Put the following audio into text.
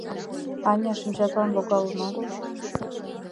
Анят, шинчатлан логалын огыл?